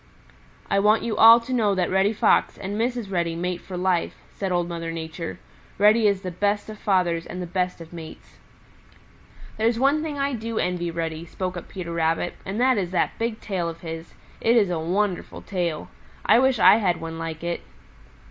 "I want you all to know that Reddy Fox and Mrs. Reddy mate for life," said Old Mother Nature. "Reddy is the best of fathers and the best of mates." "There's one thing I do envy Reddy," spoke up Peter Rabbit, "and that is that big tail of his. It is a wonderful tail. I wish I had one like it."